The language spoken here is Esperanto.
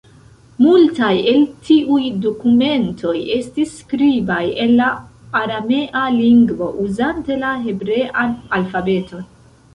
Multaj el tiuj dokumentoj estis skribaj en la aramea lingvo uzante la hebrean alfabeton.